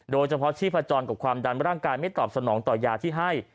โดยเฉพาะชีพจรกับความดันร่างกายไม่ตอบสนองต่อยาที่ให้